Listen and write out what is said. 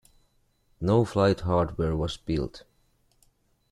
No flight hardware was built.